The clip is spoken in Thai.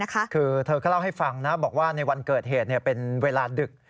คือเธอก็เล่าให้ฟังนะบอกว่าในวันเกิดเหตุเป็นเวลาดึก